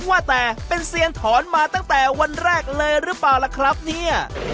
ว่าแต่เป็นเซียนถอนมาตั้งแต่วันแรกเลยหรือเปล่าล่ะครับเนี่ย